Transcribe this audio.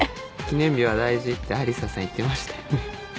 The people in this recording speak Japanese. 記念日は大事ってアリサさん言ってましたよね？